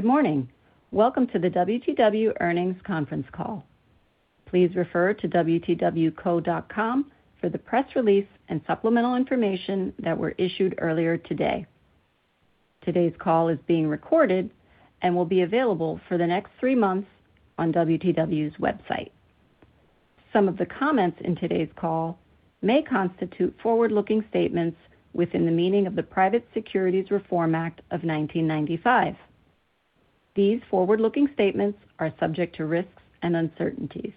Good morning. Welcome to the WTW earnings conference call. Please refer to wtwco.com for the press release and supplemental information that were issued earlier today. Today's call is being recorded and will be available for the next three months on WTW's website. Some of the comments in today's call may constitute forward-looking statements within the meaning of the Private Securities Litigation Reform Act of 1995. These forward-looking statements are subject to risks and uncertainties.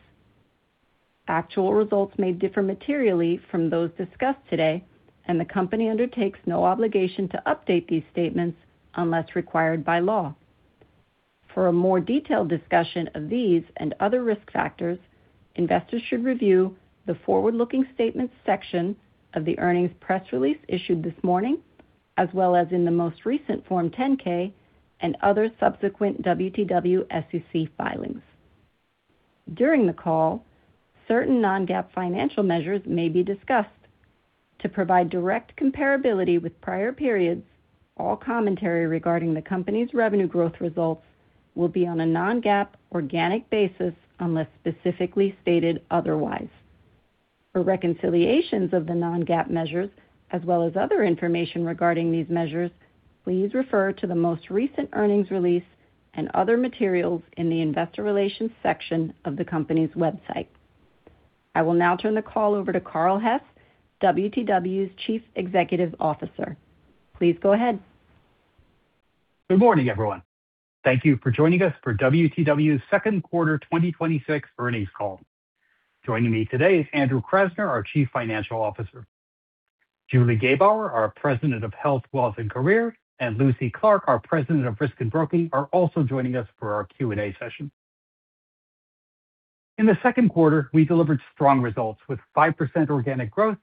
Actual results may differ materially from those discussed today, and the company undertakes no obligation to update these statements unless required by law. For a more detailed discussion of these and other risk factors, investors should review the Forward-Looking Statements section of the earnings press release issued this morning, as well as in the most recent Form 10-K and other subsequent WTW SEC filings. During the call, certain non-GAAP financial measures may be discussed. To provide direct comparability with prior periods, all commentary regarding the company's revenue growth results will be on a non-GAAP organic basis unless specifically stated otherwise. For reconciliations of the non-GAAP measures as well as other information regarding these measures, please refer to the most recent earnings release and other materials in the Investor Relations section of the company's website. I will now turn the call over to Carl Hess, WTW's Chief Executive Officer. Please go ahead. Good morning, everyone. Thank you for joining us for WTW's second quarter 2026 earnings call. Joining me today is Andrew Krasner, our Chief Financial Officer. Julie Gebauer, our President of Health, Wealth, and Career, and Lucy Clarke, our President of Risk and Broking, are also joining us for our Q&A session. In the second quarter, we delivered strong results with 5% organic growth,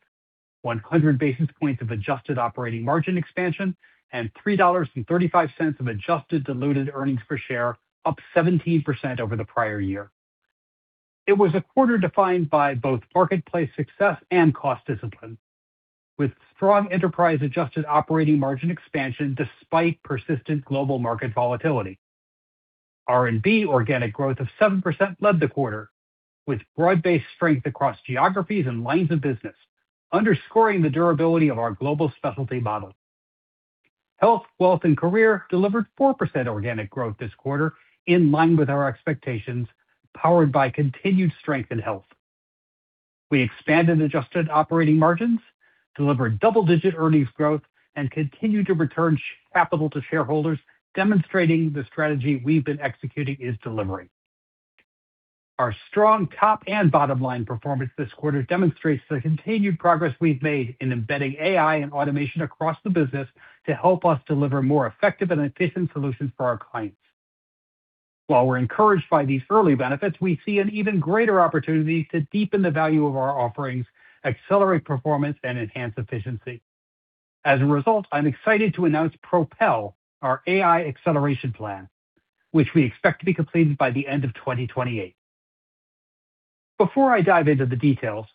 100 basis points of adjusted operating margin expansion, and $3.35 of adjusted diluted earnings per share, up 17% over the prior year. It was a quarter defined by both marketplace success and cost discipline, with strong enterprise-adjusted operating margin expansion despite persistent global market volatility. R&B organic growth of 7% led the quarter, with broad-based strength across geographies and lines of business, underscoring the durability of our global specialty model. Health, Wealth, and Career delivered 4% organic growth this quarter in line with our expectations, powered by continued strength in health. We expanded adjusted operating margins, delivered double-digit earnings growth, and continued to return capital to shareholders, demonstrating the strategy we've been executing is delivering. Our strong top and bottom line performance this quarter demonstrates the continued progress we've made in embedding AI and automation across the business to help us deliver more effective and efficient solutions for our clients. While we're encouraged by these early benefits, we see an even greater opportunity to deepen the value of our offerings, accelerate performance, and enhance efficiency. As a result, I'm excited to announce Propel, our AI acceleration plan, which we expect to be completed by the end of 2028. Before I dive into the details,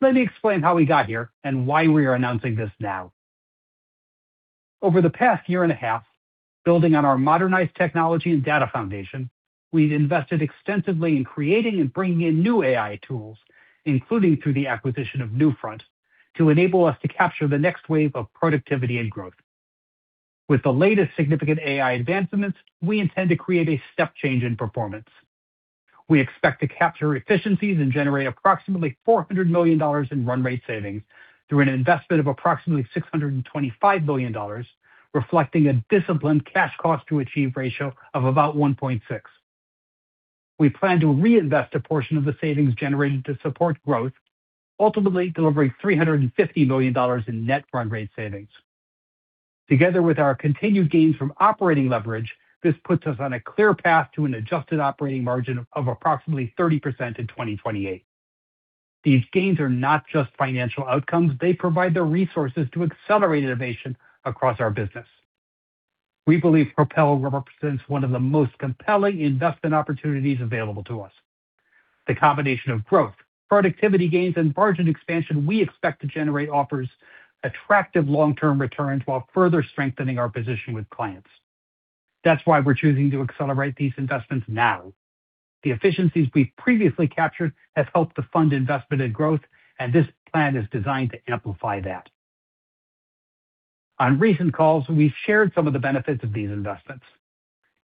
let me explain how we got here and why we are announcing this now. Over the past year and a half, building on our modernized technology and data foundation, we've invested extensively in creating and bringing in new AI tools, including through the acquisition of Newfront, to enable us to capture the next wave of productivity and growth. With the latest significant AI advancements, we intend to create a step change in performance. We expect to capture efficiencies and generate approximately $400 million in run rate savings through an investment of approximately $625 million, reflecting a disciplined cash cost to achieve ratio of about 1.6. We plan to reinvest a portion of the savings generated to support growth, ultimately delivering $350 million in net run rate savings. Together with our continued gains from operating leverage, this puts us on a clear path to an adjusted operating margin of approximately 30% in 2028. These gains are not just financial outcomes. They provide the resources to accelerate innovation across our business. We believe Propel represents one of the most compelling investment opportunities available to us. The combination of growth, productivity gains, and margin expansion we expect to generate offers attractive long-term returns while further strengthening our position with clients. That's why we're choosing to accelerate these investments now. The efficiencies we've previously captured have helped to fund investment and growth. This plan is designed to amplify that. On recent calls, we've shared some of the benefits of these investments.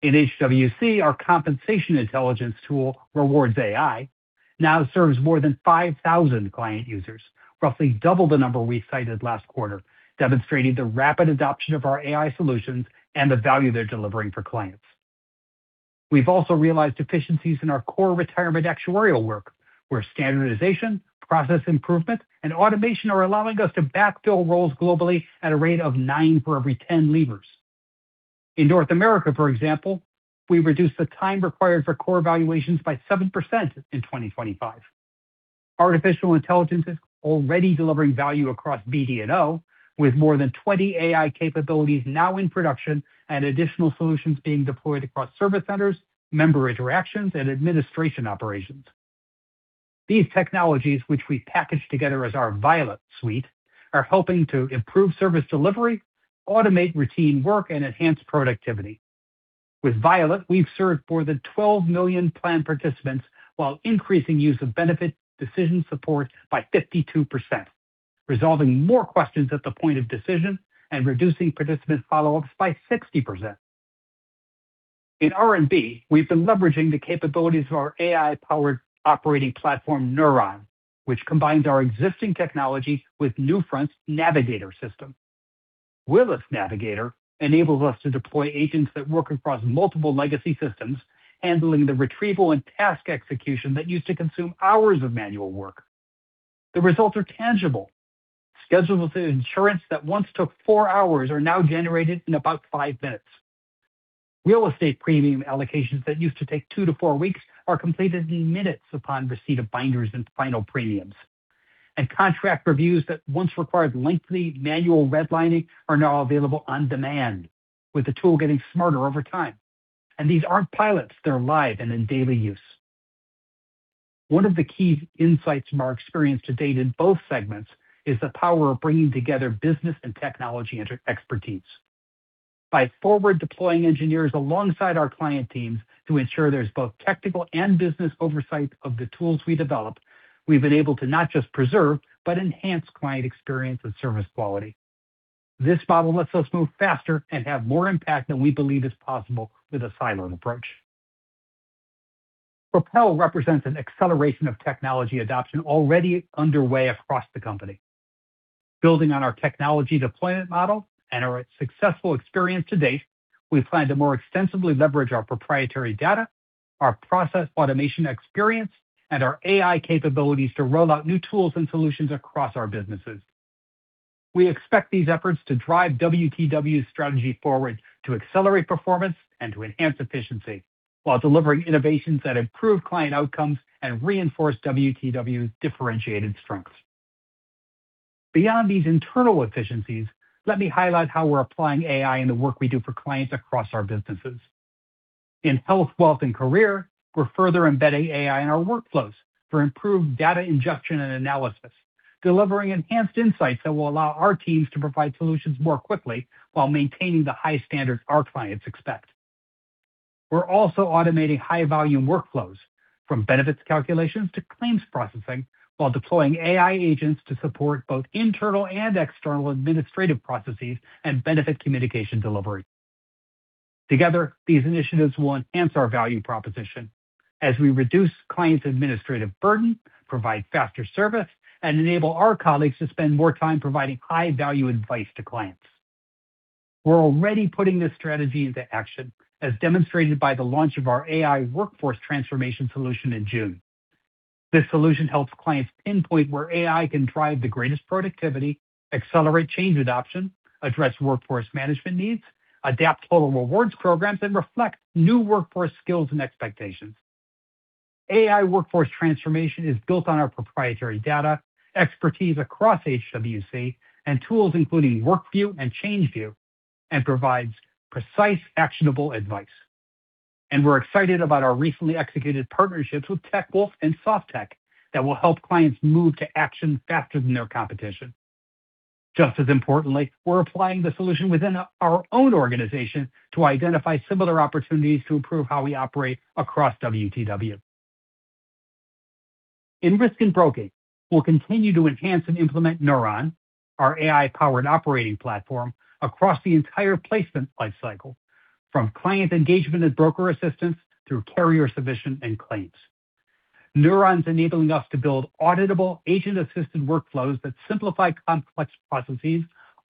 In HWC, our compensation intelligence tool, Rewards AI, now serves more than 5,000 client users, roughly double the number we cited last quarter, demonstrating the rapid adoption of our AI solutions and the value they're delivering for clients. We've also realized efficiencies in our core retirement actuarial work, where standardization, process improvement, and automation are allowing us to backfill roles globally at a rate of nine for every 10 leavers. In North America. For example, we reduced the time required for core valuations by 7% in 2025. Artificial intelligence is already delivering value across BD&O, with more than 20 AI capabilities now in production and additional solutions being deployed across service centers, member interactions, and administration operations. These technologies, which we package together as our Violet suite, are helping to improve service delivery, automate routine work and enhance productivity. With Violet, we've served more than 12 million plan participants while increasing use of benefit decision support by 52%, resolving more questions at the point of decision and reducing participant follow-ups by 60%. In R&B, we've been leveraging the capabilities of our AI-powered operating platform, Neuron, which combines our existing technology with Newfront's Navigator system. Willis Navigator enables us to deploy agents that work across multiple legacy systems, handling the retrieval and task execution that used to consume hours of manual work. The results are tangible. Schedules of insurance that once took four hours are now generated in about five minutes. Real estate premium allocations that used to take two to four weeks are completed in minutes upon receipt of binders and final premiums. Contract reviews that once required lengthy manual redlining are now available on demand, with the tool getting smarter over time. These aren't pilots, they're live and in daily use. One of the key insights from our experience to date in both segments is the power of bringing together business and technology expertise. By forward deploying engineers alongside our client teams to ensure there's both technical and business oversight of the tools we develop, we've been able to not just preserve, but enhance client experience and service quality. This model lets us move faster and have more impact than we believe is possible with a siloed approach. Propel represents an acceleration of technology adoption already underway across the company. Building on our technology deployment model and our successful experience to date, we plan to more extensively leverage our proprietary data, our process automation experience, and our AI capabilities to roll out new tools and solutions across our businesses. We expect these efforts to drive WTW's strategy forward to accelerate performance and to enhance efficiency while delivering innovations that improve client outcomes and reinforce WTW's differentiated strengths. Beyond these internal efficiencies, let me highlight how we're applying AI in the work we do for clients across our businesses. In Health, Wealth & Career, we're further embedding AI in our workflows for improved data ingestion and analysis, delivering enhanced insights that will allow our teams to provide solutions more quickly while maintaining the high standards our clients expect. We're also automating high-volume workflows from benefits calculations to claims processing while deploying AI agents to support both internal and external administrative processes and benefit communication delivery. Together, these initiatives will enhance our value proposition as we reduce clients' administrative burden, provide faster service, and enable our colleagues to spend more time providing high-value advice to clients. We're already putting this strategy into action, as demonstrated by the launch of our AI Workforce Transformation solution in June. This solution helps clients pinpoint where AI can drive the greatest productivity, accelerate change adoption, address workforce management needs, adapt total rewards programs, and reflect new workforce skills and expectations. AI Workforce Transformation is built on our proprietary data, expertise across HWC, and tools including Workview and Changeview, and provides precise, actionable advice. We're excited about our recently executed partnerships with TechWolf and Softeq that will help clients move to action faster than their competition. Just as importantly, we're applying the solution within our own organization to identify similar opportunities to improve how we operate across WTW. In Risk & Broking, we'll continue to enhance and implement Neuron, our AI-powered operating platform, across the entire placement life cycle from client engagement and broker assistance through carrier submission and claims. Neuron's enabling us to build auditable agent-assisted workflows that simplify complex processes,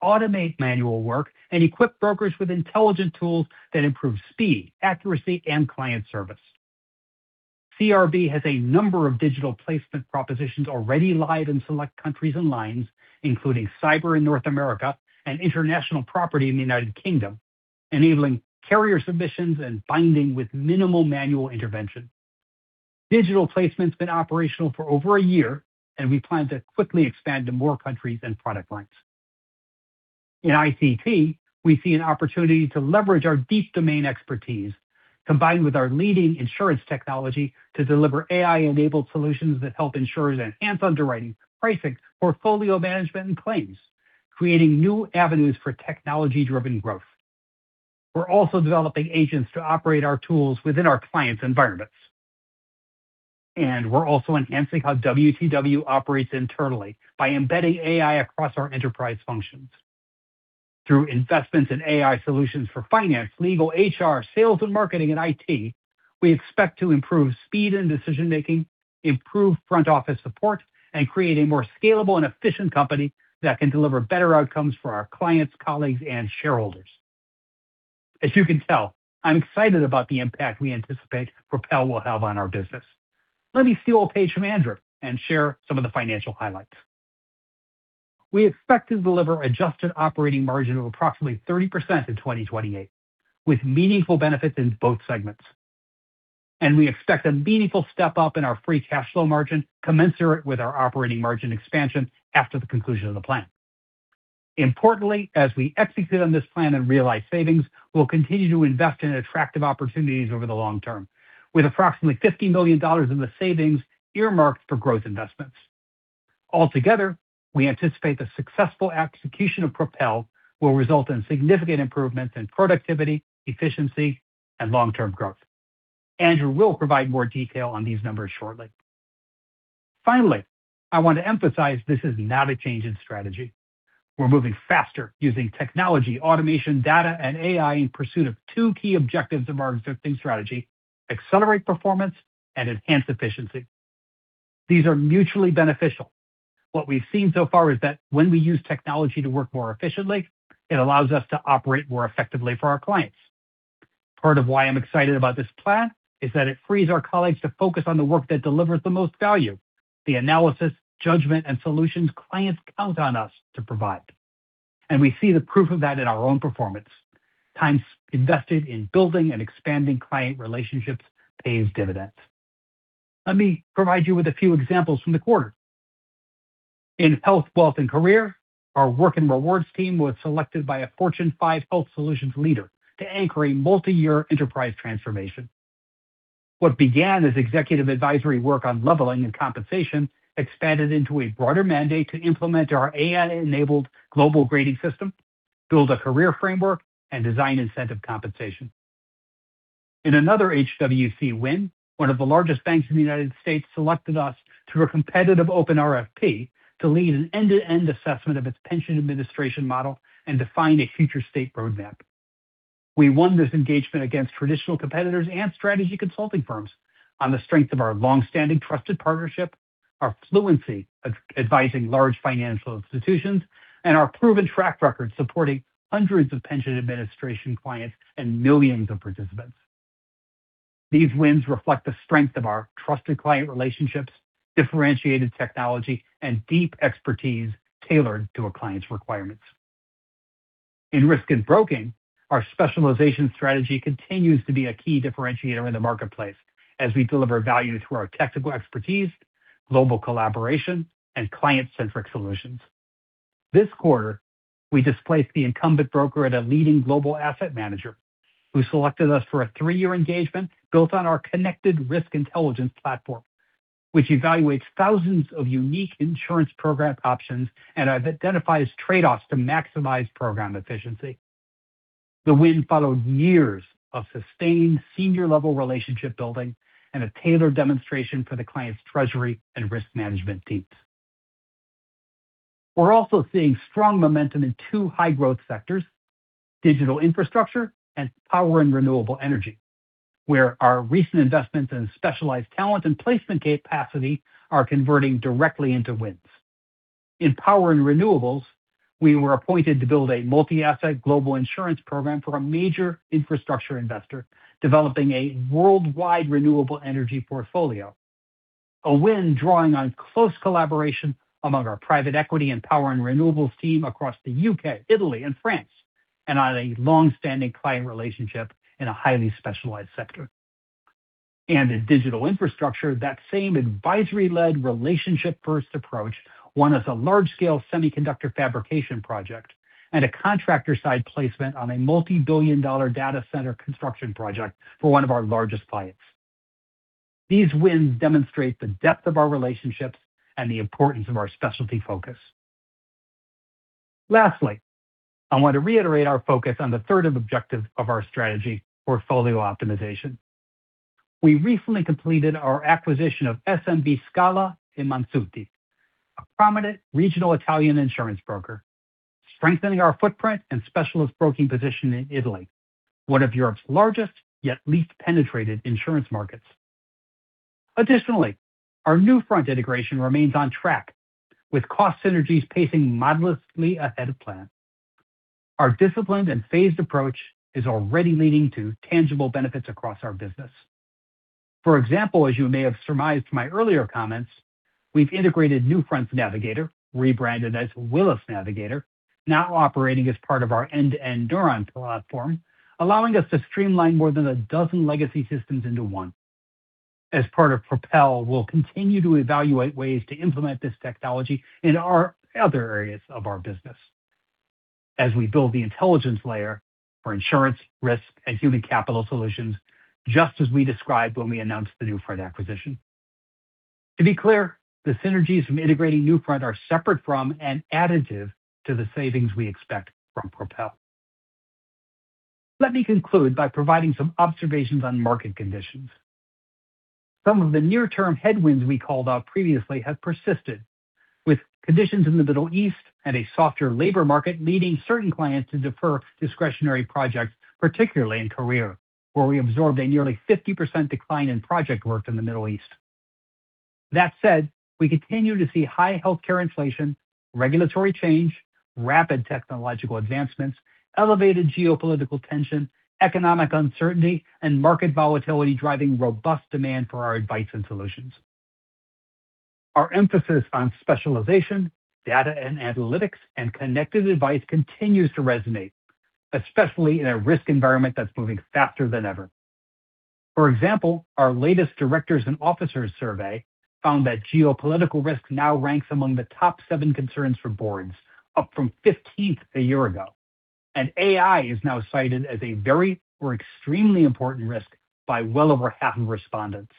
automate manual work, and equip brokers with intelligent tools that improve speed, accuracy, and client service. CRB has a number of digital placement propositions already live in select countries and lines, including cyber in North America and international property in the United Kingdom, enabling carrier submissions and binding with minimal manual intervention. Digital placement's been operational for over a year. We plan to quickly expand to more countries and product lines. In ICT, we see an opportunity to leverage our deep domain expertise, combined with our leading insurance technology, to deliver AI-enabled solutions that help insurers enhance underwriting, pricing, portfolio management, and claims, creating new avenues for technology-driven growth. We're also developing agents to operate our tools within our clients' environments. We're also enhancing how WTW operates internally by embedding AI across our enterprise functions. Through investments in AI solutions for finance, legal, HR, sales and marketing, and IT, we expect to improve speed in decision-making, improve front-office support, and create a more scalable and efficient company that can deliver better outcomes for our clients, colleagues, and shareholders. As you can tell, I'm excited about the impact we anticipate Propel will have on our business. Let me steal a page from Andrew and share some of the financial highlights. We expect to deliver adjusted operating margin of approximately 30% in 2028, with meaningful benefits in both segments. We expect a meaningful step-up in our free cash flow margin commensurate with our operating margin expansion after the conclusion of the plan. Importantly, as we execute on this plan and realize savings, we'll continue to invest in attractive opportunities over the long term, with approximately $50 million in the savings earmarked for growth investments. Altogether, we anticipate the successful execution of Propel will result in significant improvements in productivity, efficiency, and long-term growth. Andrew will provide more detail on these numbers shortly. Finally, I want to emphasize this is not a change in strategy. We're moving faster using technology, automation, data, and AI in pursuit of two key objectives of our existing strategy, accelerate performance and enhance efficiency. These are mutually beneficial. What we've seen so far is that when we use technology to work more efficiently. It allows us to operate more effectively for our clients. Part of why I'm excited about this plan is that it frees our colleagues to focus on the work that delivers the most value, the analysis, judgment, and solutions clients count on us to provide. We see the proof of that in our own performance. Times invested in building and expanding client relationships pays dividends. Let me provide you with a few examples from the quarter. In Health, Wealth & Career, our work and rewards team was selected by a Fortune five health solutions leader to anchor a multi-year enterprise transformation. What began as executive advisory work on leveling and compensation expanded into a broader mandate to implement our AI-enabled global grading system build a career framework, and design incentive compensation. In another HWC win, one of the largest banks in the U.S. selected us through a competitive open RFP to lead an end-to-end assessment of its pension administration model and define a future state roadmap. We won this engagement against traditional competitors and strategy consulting firms on the strength of our longstanding trusted partnership, our fluency advising large financial institutions, and our proven track record supporting hundreds of pension administration clients and millions of participants. These wins reflect the strength of our trusted client relationships, differentiated technology, and deep expertise tailored to a client's requirements. In Risk & Broking, our specialization strategy continues to be a key differentiator in the marketplace as we deliver value through our technical expertise, global collaboration, and client-centric solutions. This quarter, we displaced the incumbent broker at a leading global asset manager who selected us for a three year engagement built on our connected risk intelligence platform, which evaluates thousands of unique insurance program options and identifies trade-offs to maximize program efficiency. The win followed years of sustained senior-level relationship building and a tailored demonstration for the client's treasury and risk management teams. We're also seeing strong momentum in two high-growth sectors, digital infrastructure and power and renewable energy, where our recent investments in specialized talent and placement capacity are converting directly into wins. In power and renewables, we were appointed to build a multi-asset global insurance program for a major infrastructure investor developing a worldwide renewable energy portfolio. A win drawing on close collaboration among our private equity and power and renewables team across the U.K., Italy, and France, and on a longstanding client relationship in a highly specialized sector. In digital infrastructure, that same advisory-led relationship first approach won us a large-scale semiconductor fabrication project and a contractor site placement on a multi-billion dollar data center construction project for one of our largest clients. These wins demonstrate the depth of our relationships and the importance of our specialty focus. Lastly, I want to reiterate our focus on the third objective of our strategy, portfolio optimization. We recently completed our acquisition of SMB Scala & Mansutti, a prominent regional Italian insurance broker, strengthening our footprint and specialist broking position in Italy, one of Europe's largest, yet least penetrated insurance markets. Additionally, our Newfront integration remains on track with cost synergies pacing modestly ahead of plan. Our disciplined and phased approach is already leading to tangible benefits across our business. For example, as you may have surmised my earlier comments, we've integrated Newfront Navigator, rebranded as Willis Navigator, now operating as part of our end-to-end Neuron platform, allowing us to streamline more than 12 legacy systems into one. As part of Propel, we'll continue to evaluate ways to implement this technology in our other areas of our business as we build the intelligence layer for insurance, risk, and human capital solutions, just as we described when we announced the Newfront acquisition. To be clear, the synergies from integrating Newfront are separate from and additive to the savings we expect from Propel. Let me conclude by providing some observations on market conditions. Some of the near-term headwinds we called out previously have persisted, with conditions in the Middle East and a softer labor market leading certain clients to defer discretionary projects, particularly in career, where we absorbed a nearly 50% decline in project work in the Middle East. That said, we continue to see high healthcare inflation, regulatory change, rapid technological advancements, elevated geopolitical tension, economic uncertainty, and market volatility driving robust demand for our advice and solutions. Our emphasis on specialization, data and analytics, and connected advice continues to resonate, especially in a risk environment that's moving faster than ever. For example, our latest directors and officers survey found that geopolitical risk now ranks among the top seven concerns for boards, up from 15th a year ago. AI is now cited as a very or extremely important risk by well over half of respondents.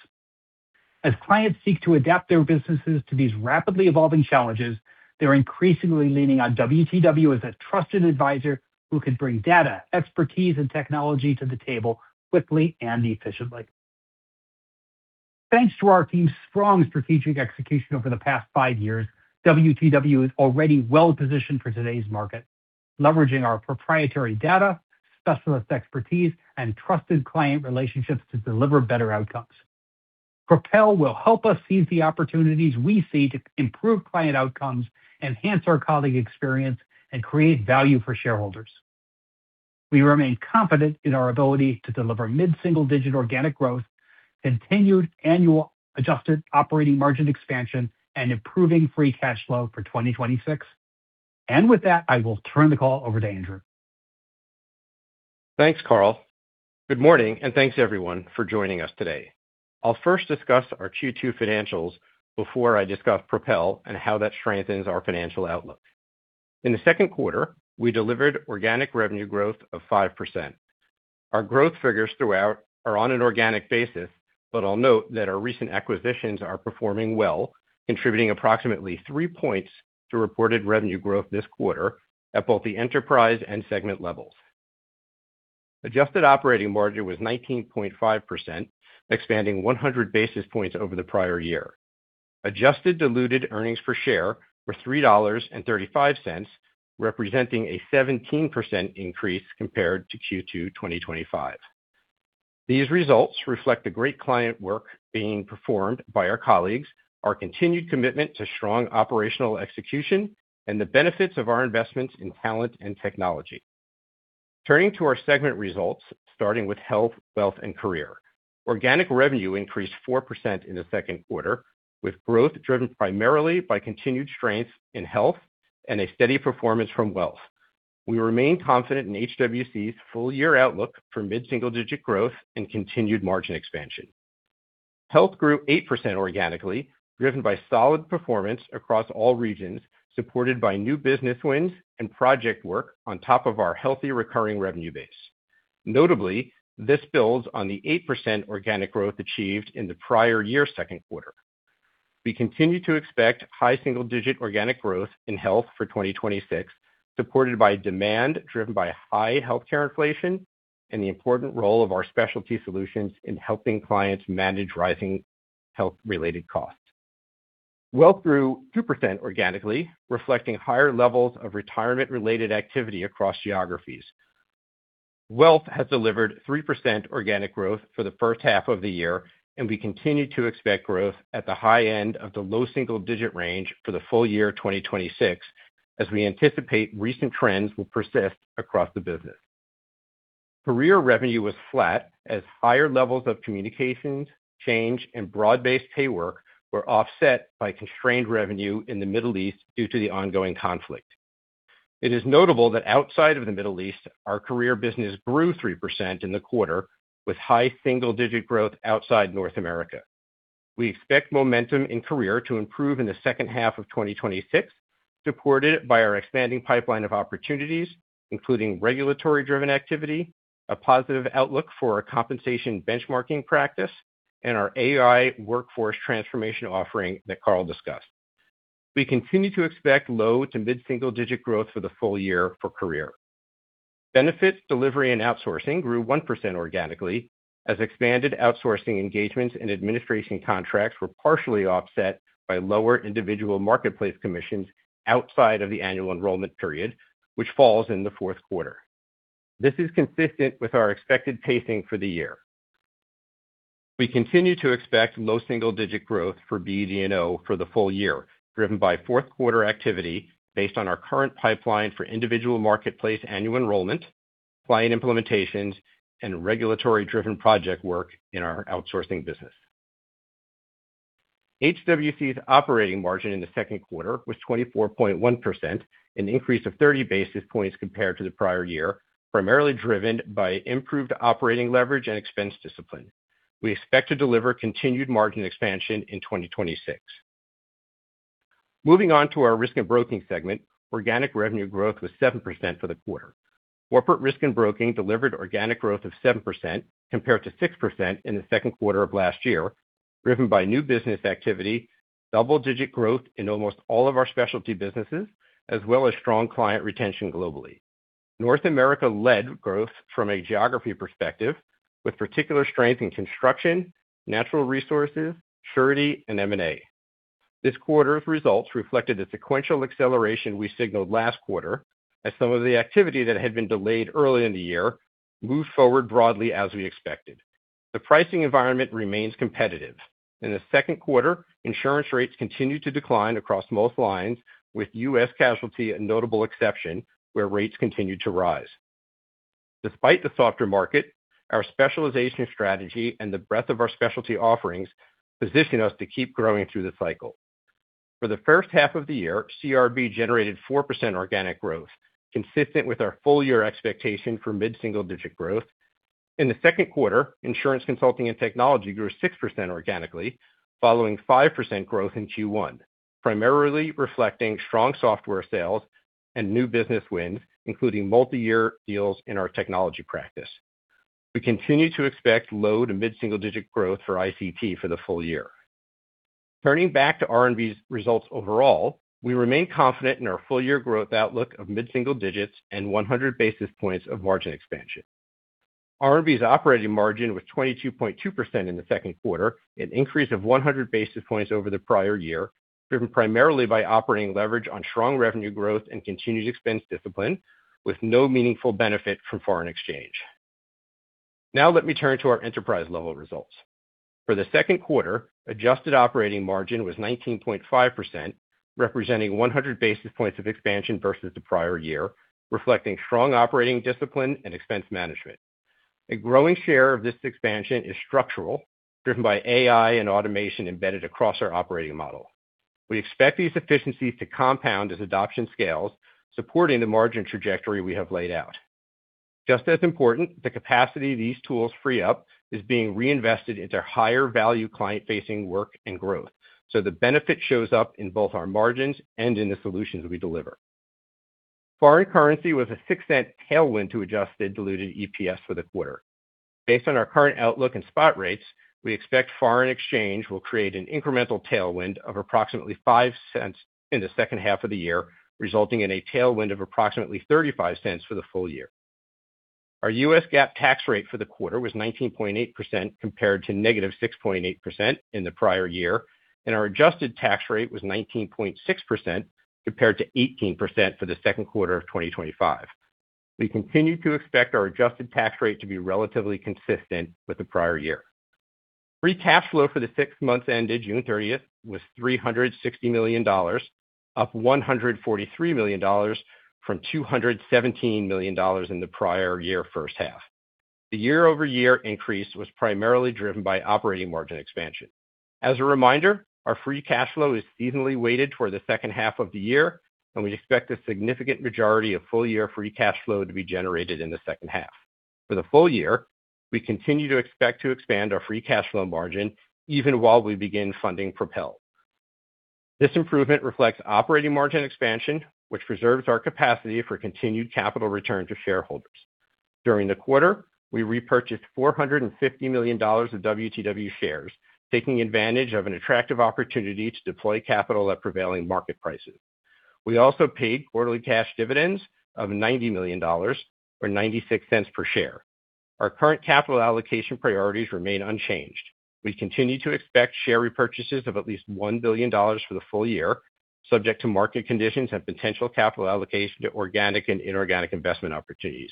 As clients seek to adapt their businesses to these rapidly evolving challenges, they're increasingly leaning on WTW as a trusted adviser who can bring data, expertise, and technology to the table quickly and efficiently. Thanks to our team's strong strategic execution over the past five years, WTW is already well-positioned for today's market, leveraging our proprietary data, specialist expertise, and trusted client relationships to deliver better outcomes. Propel will help us seize the opportunities we see to improve client outcomes, enhance our colleague experience, and create value for shareholders. We remain confident in our ability to deliver mid-single-digit organic growth, continued annual adjusted operating margin expansion, and improving free cash flow for 2026. With that, I will turn the call over to Andrew. Thanks, Carl. Good morning, and thanks everyone for joining us today. I'll first discuss our Q2 financials before I discuss Propel and how that strengthens our financial outlook. In the second quarter, we delivered organic revenue growth of 5%. Our growth figures throughout are on an organic basis, but I'll note that our recent acquisitions are performing well, contributing approximately three points to reported revenue growth this quarter at both the enterprise and segment levels. Adjusted operating margin was 19.5%, expanding 100 basis points over the prior year. Adjusted diluted earnings per share were $3.35, representing a 17% increase compared to Q2 2025. These results reflect the great client work being performed by our colleagues, our continued commitment to strong operational execution, and the benefits of our investments in talent and technology. Turning to our segment results, starting with Health, Wealth & Career. Organic revenue increased 4% in the second quarter, with growth driven primarily by continued strength in Health and a steady performance from Wealth. We remain confident in HWC's full-year outlook for mid-single-digit growth and continued margin expansion. Health grew 8% organically, driven by solid performance across all regions, supported by new business wins and project work on top of our healthy recurring revenue base. Notably, this builds on the 8% organic growth achieved in the prior year's second quarter. We continue to expect high single-digit organic growth in Health for 2026, supported by demand driven by high healthcare inflation and the important role of our specialty solutions in helping clients manage rising health-related costs. Wealth grew 2% organically, reflecting higher levels of retirement-related activity across geographies. Wealth has delivered 3% organic growth for the H1 of the year, and we continue to expect growth at the high end of the low double single-digit range for the full year 2026, as we anticipate recent trends will persist across the business. Career revenue was flat as higher levels of communications, change, and broad-based pay work were offset by constrained revenue in the Middle East due to the ongoing conflict. It is notable that outside of the Middle East, our career business grew 3% in the quarter, with high single-digit growth outside North America. We expect momentum in career to improve in the H2 of 2026, supported by our expanding pipeline of opportunities, including regulatory-driven activity, a positive outlook for our compensation benchmarking practice, and our AI Workforce Transformation offering that Carl discussed. We continue to expect low to mid-single-digit growth for the full year for career. Benefits Delivery & Outsourcing grew 1% organically as expanded outsourcing engagements and administration contracts were partially offset by lower individual marketplace commissions outside of the annual enrollment period, which falls in the fourth quarter. This is consistent with our expected pacing for the year. We continue to expect low single-digit growth for BD&O for the full year, driven by fourth quarter activity based on our current pipeline for individual marketplace annual enrollment, client implementations, and regulatory-driven project work in our outsourcing business. HWC's operating margin in the second quarter was 24.1%, an increase of 30 basis points compared to the prior year, primarily driven by improved operating leverage and expense discipline. We expect to deliver continued margin expansion in 2026. Moving on to our Risk & Broking segment, organic revenue growth was 7% for the quarter. Corporate Risk & Broking delivered organic growth of 7% compared to 6% in the second quarter of last year, driven by new business activity, double-digit growth in almost all of our specialty businesses, as well as strong client retention globally. North America led growth from a geography perspective with particular strength in construction, natural resources, surety, and M&A. This quarter's results reflected a sequential acceleration we signaled last quarter as some of the activity that had been delayed early in the year moved forward broadly as we expected. The pricing environment remains competitive. In the second quarter insurance rates continued to decline across most lines, with U.S. casualty a notable exception. Where rates continued to rise. Despite the softer market, our specialization strategy and the breadth of our specialty offerings position us to keep growing through the cycle. For the H1 of the year, CRB generated 4% organic growth, consistent with our full-year expectation for mid-single-digit growth. In the second quarter, Insurance Consulting and Technology grew 6% organically, following 5% growth in Q1, primarily reflecting strong software sales and new business wins, including multi-year deals in our technology practice. We continue to expect low to mid-single-digit growth for ICT for the full year. Turning back to R&B's results overall, we remain confident in our full-year growth outlook of mid-single digits and 100 basis points of margin expansion. R&B's operating margin was 22.2% in the second quarter, an increase of 100 basis points over the prior year, driven primarily by operating leverage on strong revenue growth and continued expense discipline, with no meaningful benefit from foreign exchange. Let me turn to our enterprise-level results. For the second quarter, adjusted operating margin was 19.5%, representing 100 basis points of expansion versus the prior year, reflecting strong operating discipline and expense management. A growing share of this expansion is structural, driven by AI and automation embedded across our operating model. We expect these efficiencies to compound as adoption scales, supporting the margin trajectory we have laid out. Just as important, the capacity these tools free up is being reinvested into higher value client-facing work and growth. The benefit shows up in both our margins and in the solutions we deliver. Foreign currency was a $0.06 tailwind to adjusted diluted EPS for the quarter. Based on our current outlook and spot rates, we expect foreign exchange will create an incremental tailwind of approximately $0.05 in the H2 of the year, resulting in a tailwind of approximately $0.35 for the full year. Our U.S. GAAP tax rate for the quarter was 19.8% compared to -6.8% in the prior year, and our adjusted tax rate was 19.6% compared to 18% for the second quarter of 2025. We continue to expect our adjusted tax rate to be relatively consistent with the prior year. Free cash flow for the six months ended June 30th was $360 million, up $143 million from $217 million in the prior year H1. The year-over-year increase was primarily driven by operating margin expansion. As a reminder, our free cash flow is seasonally weighted toward the H2 of the year, and we expect the significant majority of full-year free cash flow to be generated in the H2. For the full year, we continue to expect to expand our free cash flow margin even while we begin funding Propel. This improvement reflects operating margin expansion, which preserves our capacity for continued capital return to shareholders. During the quarter, we repurchased $450 million of WTW shares, taking advantage of an attractive opportunity to deploy capital at prevailing market prices. We also paid quarterly cash dividends of $90 million, or $0.96 per share. Our current capital allocation priorities remain unchanged. We continue to expect share repurchases of at least $1 billion for the full year, subject to market conditions and potential capital allocation to organic and inorganic investment opportunities.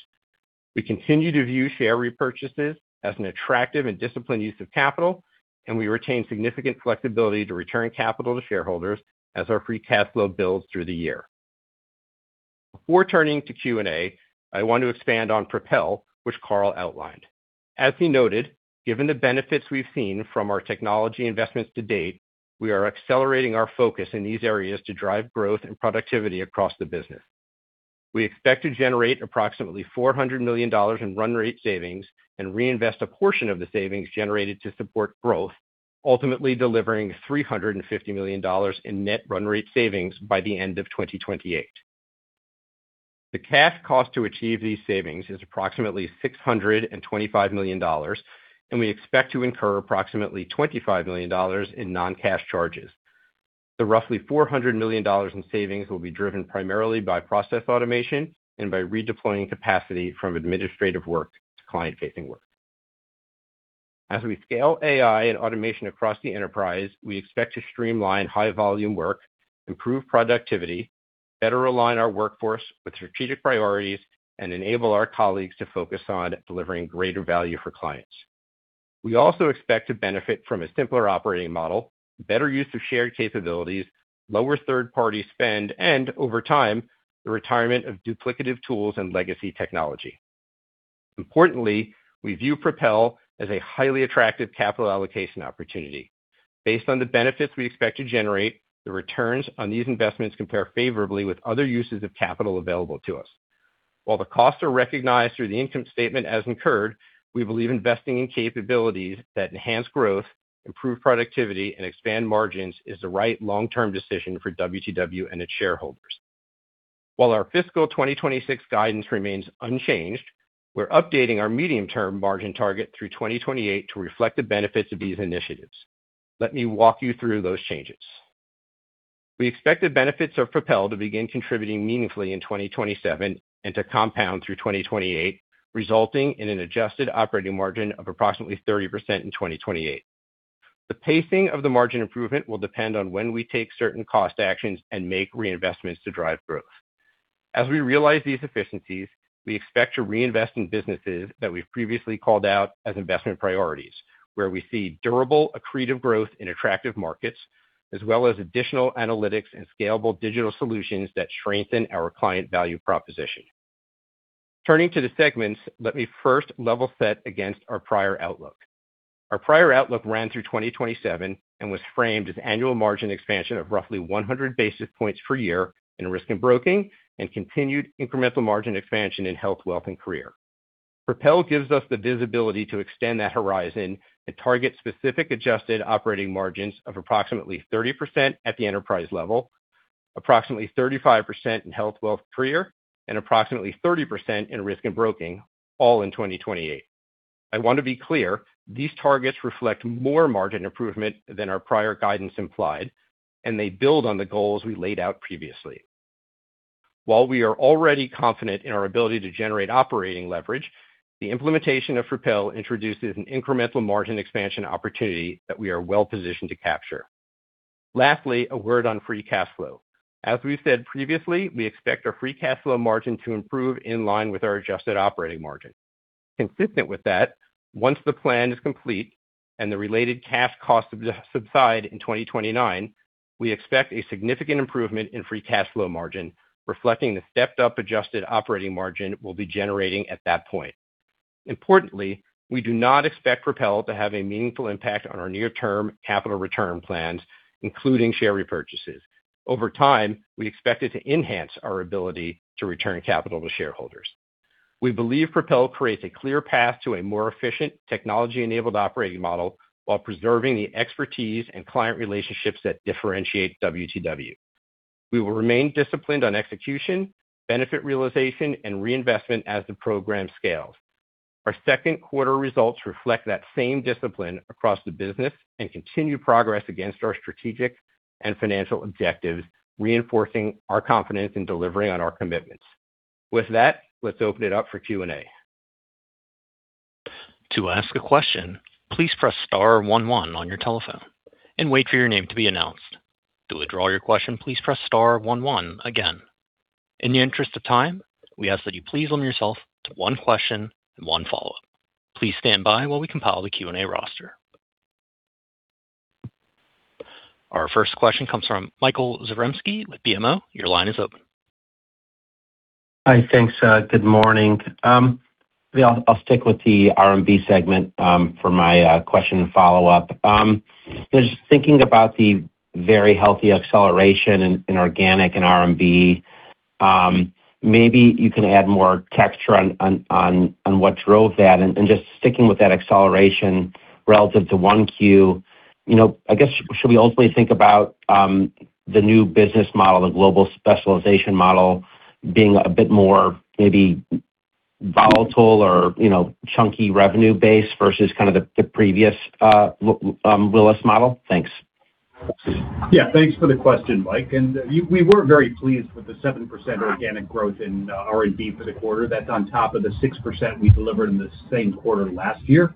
We continue to view share repurchases as an attractive and disciplined use of capital, and we retain significant flexibility to return capital to shareholders as our free cash flow builds through the year. Before turning to Q&A, I want to expand on Propel, which Carl outlined. As he noted, given the benefits we've seen from our technology investments to date, we are accelerating our focus in these areas to drive growth and productivity across the business. We expect to generate approximately $400 million in run rate savings and reinvest a portion of the savings generated to support growth, ultimately delivering $350 million in net run rate savings by the end of 2028. The cash cost to achieve these savings is approximately $625 million, and we expect to incur approximately $25 million in non-cash charges. The roughly $400 million in savings will be driven primarily by process automation and by redeploying capacity from administrative work to client-facing work. As we scale AI and automation across the enterprise, we expect to streamline high-volume work, improve productivity, better align our workforce with strategic priorities, and enable our colleagues to focus on delivering greater value for clients. We also expect to benefit from a simpler operating model, better use of shared capabilities, lower third-party spend, and over time. The retirement of duplicative tools and legacy technology. Importantly, we view Propel as a highly attractive capital allocation opportunity. Based on the benefits we expect to generate, the returns on these investments compare favorably with other uses of capital available to us. While the costs are recognized through the income statement as incurred, we believe investing in capabilities that enhance growth, improve productivity, and expand margins is the right long-term decision for WTW and its shareholders. While our fiscal 2026 guidance remains unchanged, we're updating our medium-term margin target through 2028 to reflect the benefits of these initiatives. Let me walk you through those changes. We expect the benefits of Propel to begin contributing meaningfully in 2027 and to compound through 2028, resulting in an adjusted operating margin of approximately 30% in 2028. The pacing of the margin improvement will depend on when we take certain cost actions and make reinvestments to drive growth. As we realize these efficiencies, we expect to reinvest in businesses that we've previously called out as investment priorities, where we see durable accretive growth in attractive markets as well as additional analytics and scalable digital solutions that strengthen our client value proposition. Turning to the segments, let me first level set against our prior outlook. Our prior outlook ran through 2027 and was framed as annual margin expansion of roughly 100 basis points per year in Risk & Broking, and continued incremental margin expansion in Health, Wealth & Career. Propel gives us the visibility to extend that horizon and target specific adjusted operating margins of approximately 30% at the enterprise level, approximately 35% in Health, Wealth & Career, and approximately 30% in Risk & Broking, all in 2028. I want to be clear, these targets reflect more margin improvement than our prior guidance implied, and they build on the goals we laid out previously. While we are already confident in our ability to generate operating leverage, the implementation of Propel introduces an incremental margin expansion opportunity that we are well-positioned to capture. Lastly, a word on free cash flow. As we've said previously, we expect our free cash flow margin to improve in line with our adjusted operating margin. Consistent with that, once the plan is complete and the related cash costs subside in 2029, we expect a significant improvement in free cash flow margin, reflecting the stepped-up adjusted operating margin we'll be generating at that point. Importantly, we do not expect Propel to have a meaningful impact on our near-term capital return plans, including share repurchases. Over time, we expect it to enhance our ability to return capital to shareholders. We believe Propel creates a clear path to a more efficient, technology-enabled operating model while preserving the expertise and client relationships that differentiate WTW. We will remain disciplined on execution, benefit realization, and reinvestment as the program scales. Our second quarter results reflect that same discipline across the business and continue progress against our strategic and financial objectives, reinforcing our confidence in delivering on our commitments. With that, let's open it up for Q&A. To ask a question, please press star, one, one on your telephone and wait for your name to be announced. To withdraw your question, please press star, one, one again. In the interest of time, we ask that you please limit yourself to one question and one follow-up. Please stand by while we compile the Q&A roster. Our first question comes from Michael Zaremski with BMO. Your line is open. Hi. Thanks. Good morning. I'll stick with the R&B segment for my question and follow-up. Just thinking about the very healthy acceleration in organic and R&B, maybe you can add more texture on what drove that and sticking with that acceleration relative to 1Q. I guess, should we ultimately think about the new business model, the global specialization model, being a bit more maybe volatile or chunky revenue base versus the previous Willis model? Thanks. Yeah, thanks for the question, Michael, we were very pleased with the 7% organic growth in R&B for the quarter. That's on top of the 6% we delivered in the same quarter last year.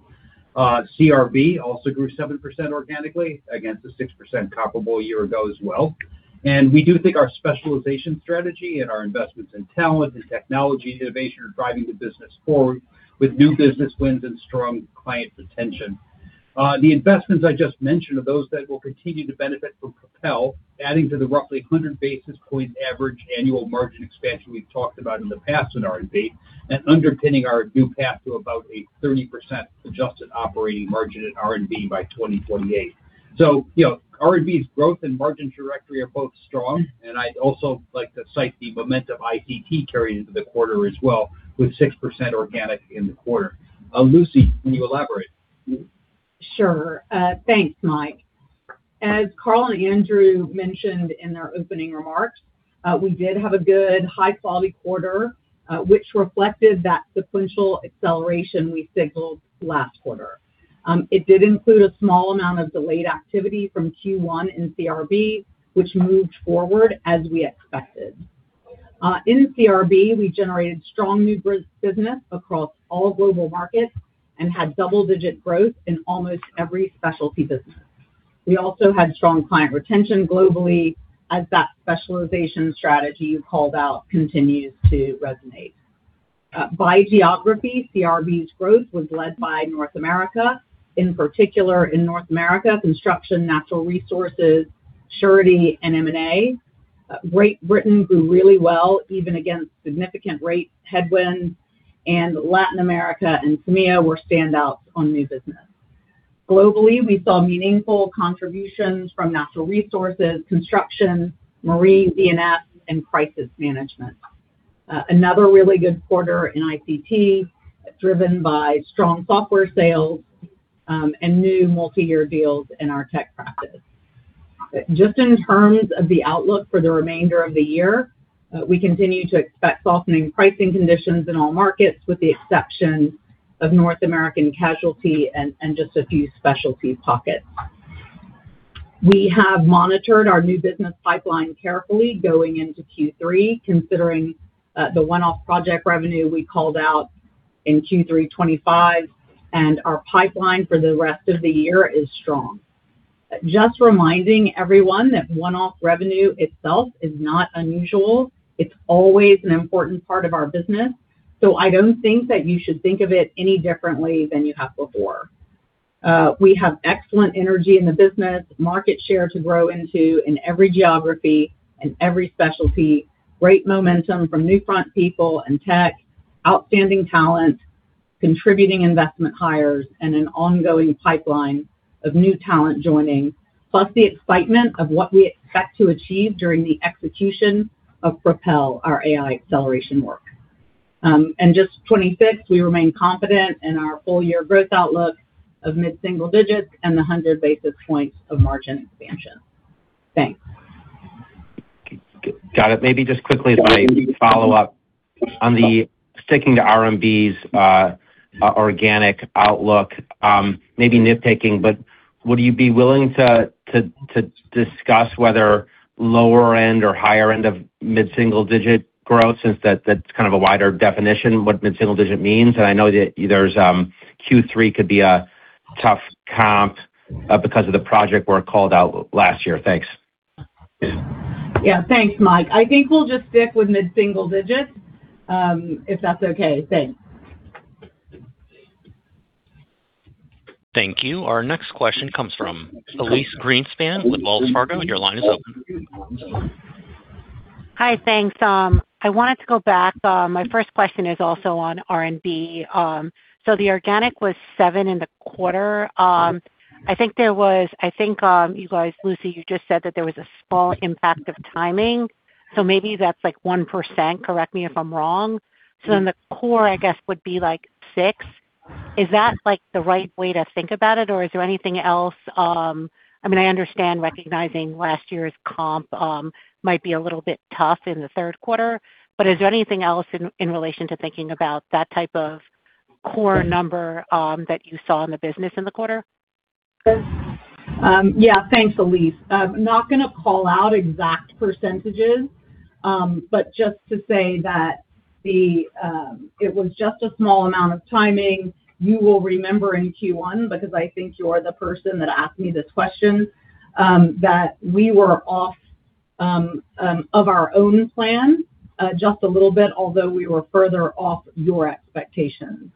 CRB also grew 7% organically against the 6% comparable a year ago as well. We do think our specialization strategy and our investments in talent and technology innovation are driving the business forward with new business wins and strong client retention. The investments I just mentioned are those that will continue to benefit from Propel, adding to the roughly 100 basis point average annual margin expansion we've talked about in the past in R&B and underpinning our new path to about a 30% adjusted operating margin at R&B by 2028. R&B's growth and margin trajectory are both strong, and I'd also like to cite the momentum ICT carried into the quarter as well, with 6% organic in the quarter. Lucy, can you elaborate? Sure. Thanks, Michael. As Carl and Andrew mentioned in their opening remarks, we did have a good high-quality quarter, which reflected that sequential acceleration we signaled last quarter. It did include a small amount of delayed activity from Q1 and CRB, which moved forward as we expected. In CRB, we generated strong new business across all global markets and had double-digit growth in almost every specialty business. We also had strong client retention globally as that specialization strategy you called out continues to resonate. By geography, CRB's growth was led by North America. In particular in North America, construction, natural resources, surety, and M&A. Great Britain grew really well, even against significant rate headwinds, and Latin America and EMEA were standouts on new business. Globally, we saw meaningful contributions from natural resources, construction, marine, D&F, and crisis management. Another really good quarter in ICT, driven by strong software sales, new multi-year deals in our tech practice. In terms of the outlook for the remainder of the year, we continue to expect softening pricing conditions in all markets, with the exception of North American casualty and a few specialty pockets. We have monitored our new business pipeline carefully going into Q3, considering the one-off project revenue we called out in Q3 2025. Our pipeline for the rest of the year is strong. Reminding everyone that one-off revenue itself is not unusual. It's always an important part of our business, I don't think that you should think of it any differently than you have before. We have excellent energy in the business, market share to grow into in every geography and every specialty, great momentum from Newfront people and tech, outstanding talent, contributing investment hires, an ongoing pipeline of new talent joining, plus the excitement of what we expect to achieve during the execution of Propel, our AI acceleration work. [inaudible] we remain confident in our full year growth outlook of mid-single digits and the 100 basis points of margin expansion. Thanks. Got it. Maybe just quickly, if I could follow up. Sticking to R&B's organic outlook, maybe nitpicking but would you be willing to discuss whether lower end or higher end of mid-single digit growth. Since that's kind of a wider definition, what mid-single digit means? I know that Q3 could be a tough comp because of the project work called out last year. Thanks. Yeah. Thanks, Michael. I think we'll just stick with mid-single digits, if that's okay. Thanks. Thank you. Our next question comes from Elyse Greenspan with Wells Fargo. Your line is open. Hi, thanks. I wanted to go back. My first question is also on R&B. The organic was seven in the quarter. I think, you guys, Lucy, you just said that there was a small impact of timing, so maybe that's 1%. Correct me if I'm wrong. The core, I guess, would be six. Is that the right way to think about it or is there anything else? I understand recognizing last year's comp might be a little bit tough in the third quarter, but is there anything else in relation to thinking about that type of core number that you saw in the business in the quarter? Yeah. Thanks, Elyse. Not going to call out exact percentages, but just to say that it was just a small amount of timing. You will remember in Q1, because I think you are the person that asked me this question, that we were off of our own plan just a little bit, although we were further off your expectations.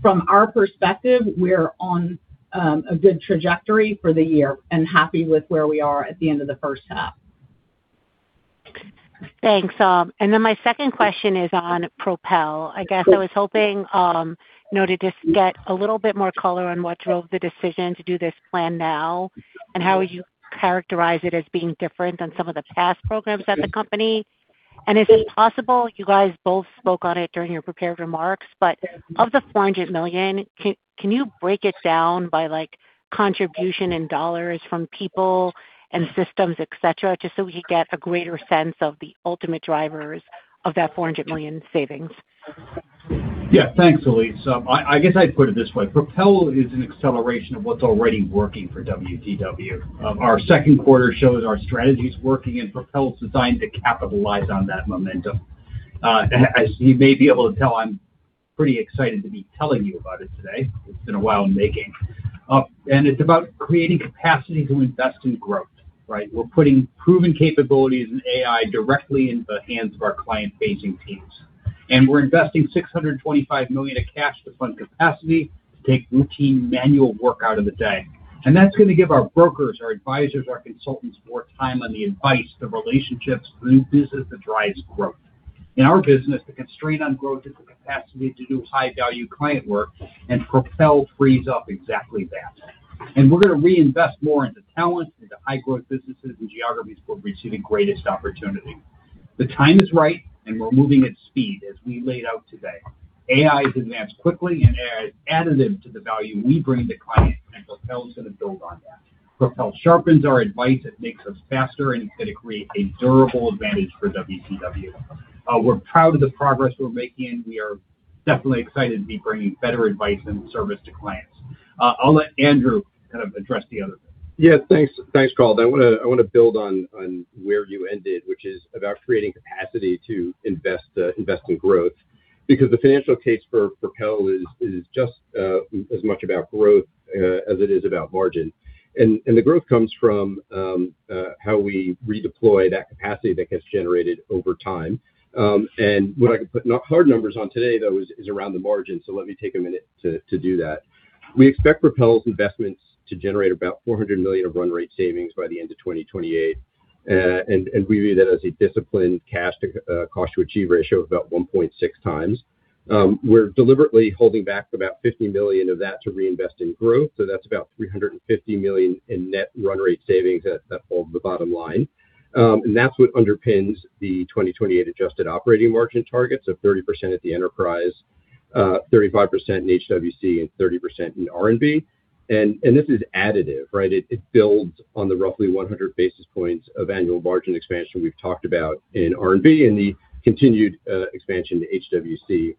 From our perspective, we're on a good trajectory for the year and happy with where we are at the end of the H1. Thanks. My second question is on Propel. I guess I was hoping to just get a little bit more color on what drove the decision to do this plan now, and how you characterize it as being different than some of the past programs at the company. Is it possible, you guys both spoke on it during your prepared remarks, but of the [$400 million,] can you break it down by contribution in dollars from people and systems, et cetera, just so we could get a greater sense of the ultimate drivers of that [$400 million] savings? Yeah. Thanks, Elyse. I guess I'd put it this way. Propel is an acceleration of what's already working for WTW. Our second quarter shows our strategies working, and Propel's designed to capitalize on that momentum. As you may be able to tell, I'm pretty excited to be telling you about it today. It's been a while in making. It's about creating capacity to invest in growth, right? We're putting proven capabilities in AI directly in the hands of our client-facing teams. We're investing $625 million of cash to fund capacity to take routine manual work out of the day. That's going to give our brokers, our advisors, our consultants more time on the advice, the relationships, the new business that drives growth. In our business, the constraint on growth is the capacity to do high-value client work, and Propel frees up exactly that. We're going to reinvest more into talent, into high-growth businesses and geographies where we see the greatest opportunity. The time is right, we're moving at speed, as we laid out today. AI has advanced quickly, additive to the value we bring to clients, Propel is going to build on that. Propel sharpens our advice, it makes us faster, it's going to create a durable advantage for WTW. We're proud of the progress we're making. We are definitely excited to be bringing better advice and service to clients. I'll let Andrew kind of address the other thing. Yeah. Thanks, Carl. I want to build on where you ended, which is about creating capacity to invest in growth, because the financial case for Propel is just as much about growth as it is about margin. The growth comes from how we redeploy that capacity that gets generated over time. What I could put hard numbers on today, though is around the margin. Let me take a minute to do that. We expect Propel's investments to generate about $400 million of run rate savings by the end of 2028. We view that as a disciplined cash to cost to achieve ratio of about 1.6 times. We're deliberately holding back about $50 million of that to reinvest in growth. That's about $350 million in net run rate savings that fall to the bottom line. That's what underpins the 2028 adjusted operating margin targets of 30% at the enterprise, 35% in HWC, and 30% in R&B. This is additive, right? It builds on the roughly 100 basis points of annual margin expansion we've talked about in R&B and the continued expansion in HWC.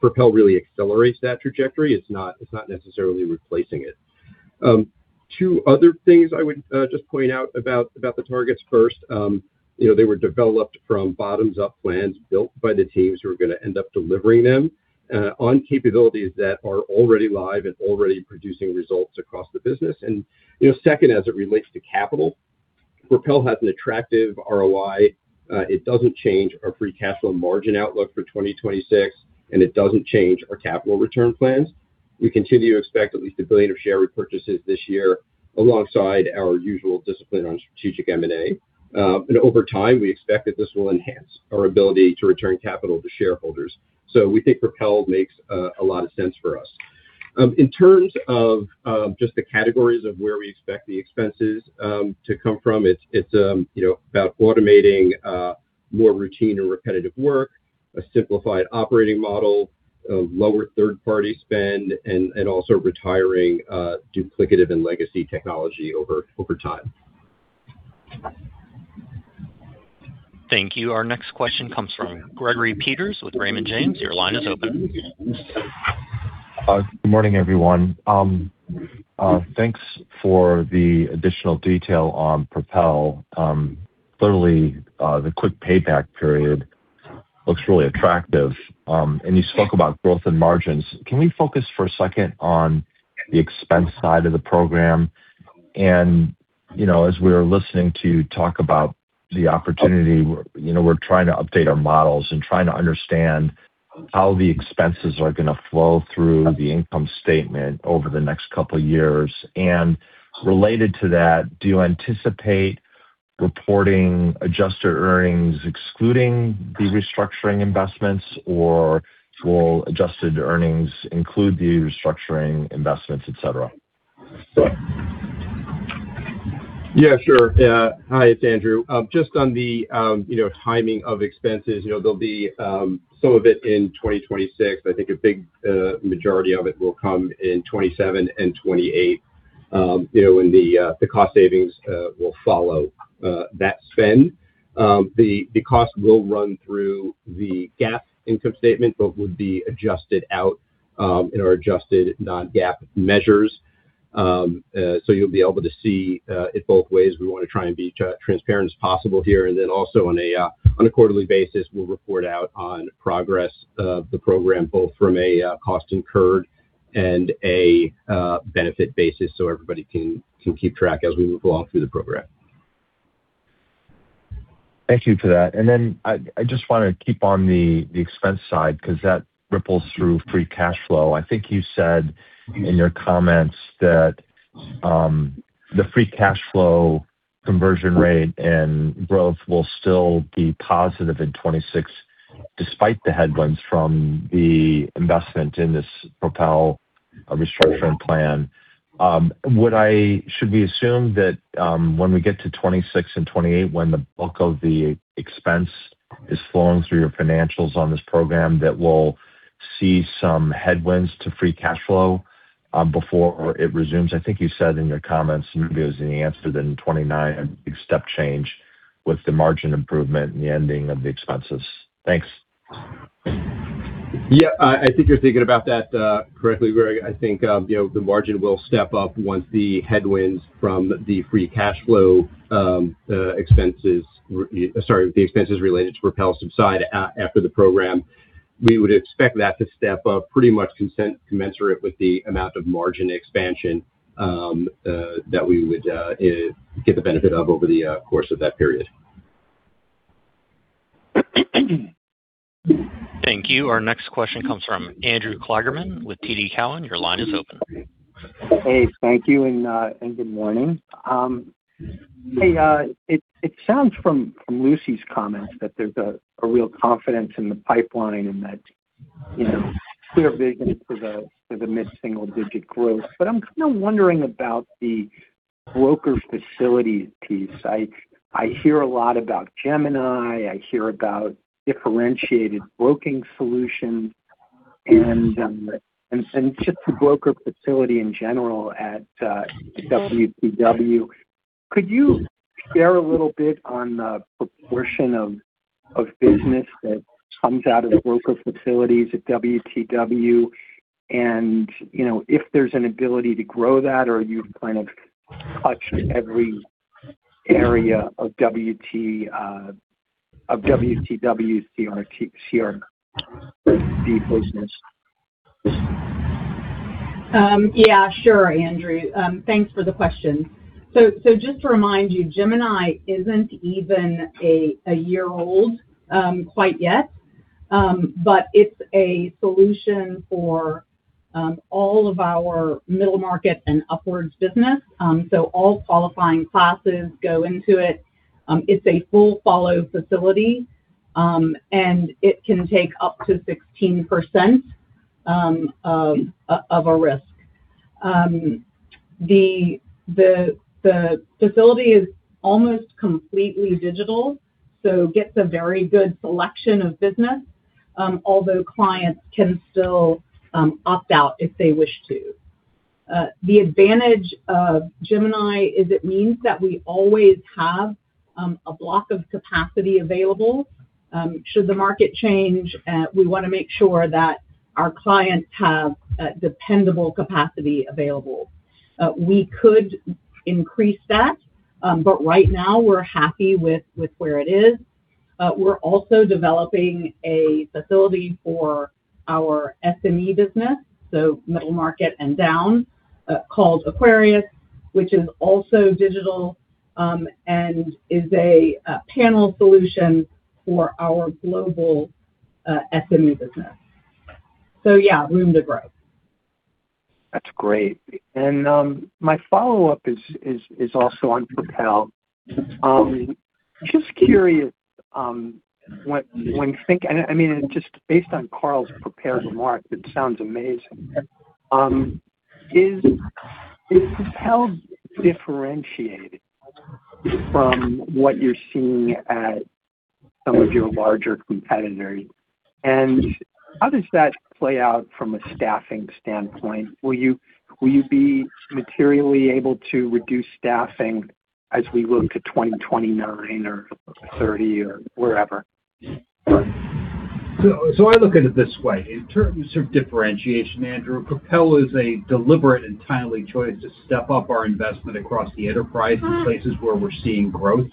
Propel really accelerates that trajectory. It's not necessarily replacing it. Two other things I would just point out about the targets. First, they were developed from bottoms-up plans built by the teams who are going to end up delivering them on capabilities that are already live and already producing results across the business. Second, as it relates to capital Propel has an attractive ROI. It doesn't change our free cash flow margin outlook for 2026, and it doesn't change our capital return plans. We continue to expect at least $1 billion of share repurchases this year alongside our usual discipline on strategic M&A. Over time, we expect that this will enhance our ability to return capital to shareholders. We think Propel makes a lot of sense for us. In terms of just the categories of where we expect the expenses to come from, it's about automating more routine or repetitive work a simplified operating model of lower third-party spend, and also retiring duplicative and legacy technology over time. Thank you. Our next question comes from Gregory Peters with Raymond James. Your line is open. Good morning, everyone. Thanks for the additional detail on Propel. Clearly, the quick payback period looks really attractive. You spoke about growth and margins. Can we focus for a second on the expense side of the program? As we're listening to you talk about the opportunity, we're trying to update our models and trying to understand how the expenses are going to flow through the income statement over the next couple of years. Related to that, do you anticipate reporting adjusted earnings, excluding the restructuring investments, or will adjusted earnings include the restructuring investments, et cetera? Yeah, sure. Hi, it's Andrew. Just on the timing of expenses, there'll be some of it in 2026. I think a big majority of it will come in 2027 and 2028, and the cost savings will follow that spend. The cost will run through the GAAP income statement, but would be adjusted out in our adjusted non-GAAP measures. You'll be able to see it both ways. We want to try and be transparent as possible here. Also on a quarterly basis, we'll report out on progress of the program, both from a cost incurred and a benefit basis so everybody can keep track as we move along through the program. Thank you for that. I just want to keep on the expense side, because that ripples through free cash flow. I think you said in your comments that the free cash flow conversion rate and growth will still be positive in 2026, despite the headwinds from the investment in this Propel restructuring plan. Should we assume that when we get to 2026 and 2028, when the bulk of the expense is flowing through your financials on this program, that we'll see some headwinds to free cash flow before it resumes? I think you said in your comments, maybe it was in the answer, that in 2029 a big step change with the margin improvement and the ending of the expenses. Thanks. I think you're thinking about that correctly, Gregory. I think the margin will step up once the headwinds from the free cash flow expenses. Sorry, the expenses related to Propel subside after the program. We would expect that to step up pretty much commensurate with the amount of margin expansion that we would get the benefit of over the course of that period. Thank you. Our next question comes from Andrew Kligerman with TD Cowen. Your line is open. Thank you, and good morning. It sounds from Lucy's comments that there's a real confidence in the pipeline and that clear vision for the mid-single digit growth. I'm kind of wondering about the broker facilities piece. I hear a lot about Gemini, I hear about differentiated broking solutions, and just the broker facility in general at WTW. Could you share a little bit on the proportion of business that comes out of broker facilities at WTW, and if there's an ability to grow that or you've kind of touched every area of WTW's CRB business? Sure, Andrew. Thanks for the question. Just to remind you, Gemini isn't even a year old quite yet. It's a solution for all of our middle market and upwards business. All qualifying classes go into it. It's a full follow facility, and it can take up to 16% of a risk. The facility is almost completely digital, so gets a very good selection of business, although clients can still opt out if they wish to. The advantage of Gemini is it means that we always have a block of capacity available. Should the market change, we want to make sure that our clients have dependable capacity available. We could increase that, but right now we're happy with where it is. We're also developing a facility for our SME business, so middle market and down called Aquarius, which is also digital and is a panel solution for our global SME business. Room to grow. That's great. My follow-up is also on Propel. Just curious, based on Carl's prepared remarks, it sounds amazing. Is Propel differentiated from what you're seeing at some of your larger competitors, and how does that play out from a staffing standpoint? Will you be materially able to reduce staffing as we look to 2029 or 2030 or wherever? I look at it this way. In terms of differentiation, Andrew, Propel is a deliberate and timely choice to step up our investment across the enterprise in places where we're seeing growth.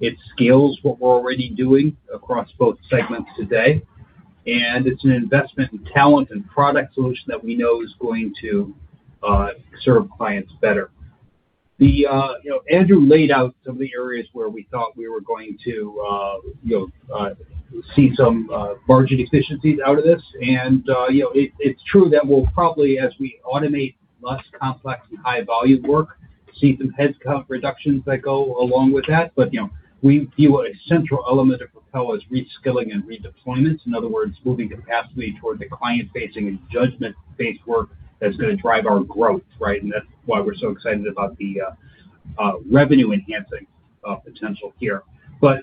It scales what we're already doing across both segments today, and it's an investment in talent and product solution that we know is going to serve clients better. Andrew laid out some of the areas where we thought we were going to see some margin efficiencies out of this, and it's true that we'll probably, as we automate less complex and high-volume work, see some headcount reductions that go along with that. We view a central element of Propel is reskilling and redeployment. In other words, moving capacity toward the client-facing and judgment-based work that's going to drive our growth, right? That's why we're so excited about the revenue-enhancing potential here.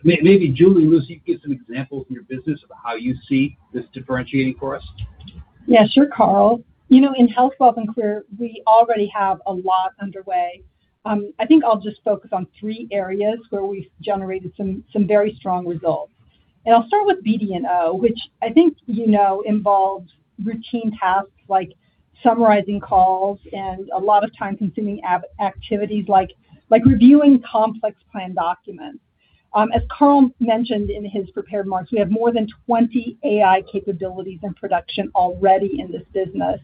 Maybe Julie and Lucy can give some examples from your business of how you see this differentiating for us. Sure, Carl. In Health, Wealth & Career, we already have a lot underway. I think I'll just focus on three areas where we've generated some very strong results. I'll start with BD&O, which I think you know involves routine tasks like summarizing calls and a lot of time-consuming activities like reviewing complex plan documents. As Carl mentioned in his prepared remarks, we have more than 20 AI capabilities in production already in this business,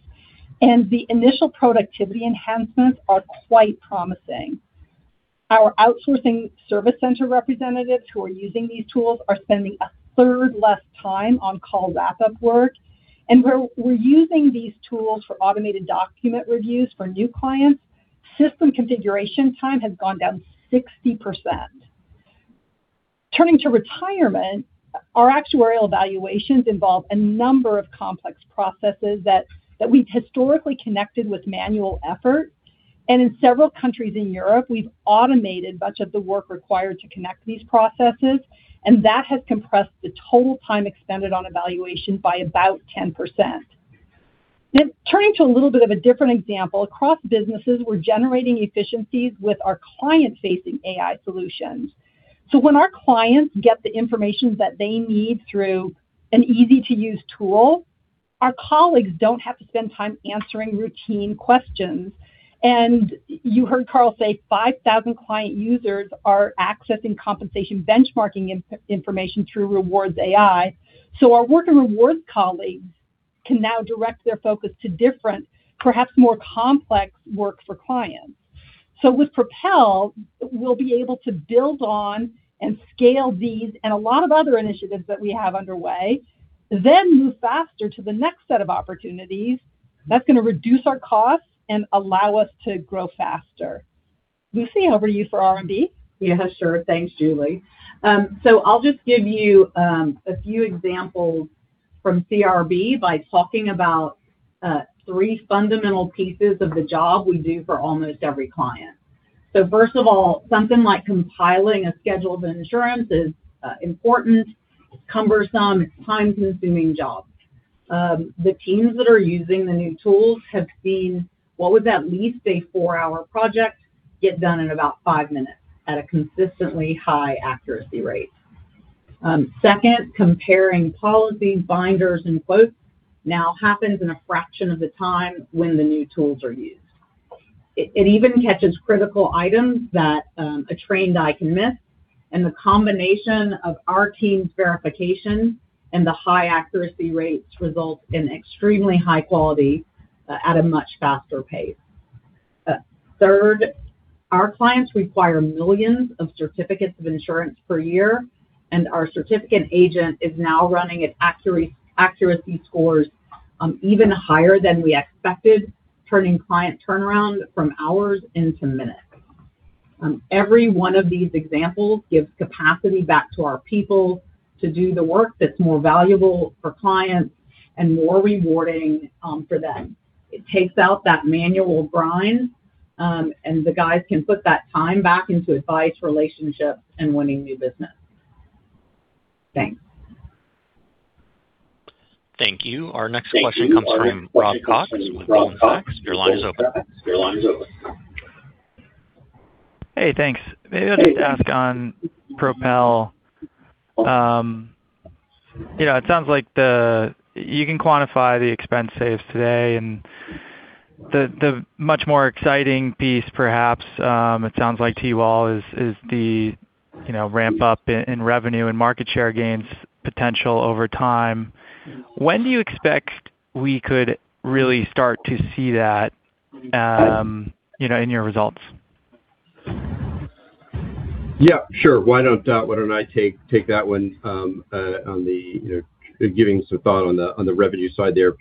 and the initial productivity enhancements are quite promising. Our outsourcing service center representatives who are using these tools are spending a third less time on call backup work, and where we're using these tools for automated document reviews for new clients, system configuration time has gone down 60%. Turning to retirement, our actuarial evaluations involve a number of complex processes that we've historically connected with manual effort. In several countries in Europe, we've automated much of the work required to connect these processes, and that has compressed the total time extended on evaluation by about 10%. Turning to a little bit of a different example, across businesses, we're generating efficiencies with our client-facing AI solutions. When our clients get the information that they need through an easy-to-use tool, our colleagues don't have to spend time answering routine questions. You heard Carl say 5,000 client users are accessing compensation benchmarking information through Rewards AI. Our work and rewards colleagues can now direct their focus to different, perhaps more complex work for clients. With Propel, we'll be able to build on and scale these and a lot of other initiatives that we have underway. Move faster to the next set of opportunities. That's going to reduce our costs and allow us to grow faster. Lucy, over to you for R&B. Thanks, Julie. I'll just give you a few examples from CRB by talking about three fundamental pieces of the job we do for almost every client. First of all, something like compiling a schedule of insurance is important. It's cumbersome. It's time-consuming jobs. The teams that are using the new tools have seen what was at least a four hour project get done in about five minutes at a consistently high accuracy rate. Second, comparing policies, binders, and quotes now happens in a fraction of the time when the new tools are used. It even catches critical items that a trained eye can miss, and the combination of our team's verification and the high accuracy rates results in extremely high quality at a much faster pace. Third, our clients require millions of certificates of insurance per year. Our certificate agent is now running at accuracy scores even higher than we expected, turning client turnaround from hours into minutes. Every one of these examples gives capacity back to our people to do the work that's more valuable for clients and more rewarding for them. It takes out that manual grind. The guys can put that time back into advice, relationships, and winning new business. Thanks. Thank you. Our next question comes from Rob Cox with Goldman Sachs. Your line is open. Hey, thanks. Maybe I'll just ask on Propel. It sounds like you can quantify the expense saves today, and the much more exciting piece perhaps, it sounds like to you all is the ramp-up in revenue and market share gains potential over time. When do you expect we could really start to see that in your results? Yeah, sure. Why don't I take that one on the giving some thought on the revenue side there.